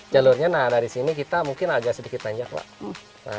jalurnya dari sini kita mungkin agak sedikit panjang